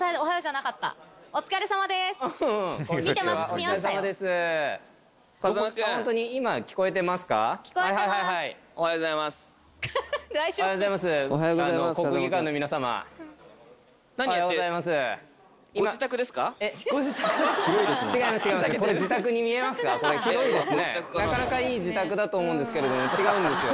なかなかいい自宅だと思うんですけれども違うんですよ。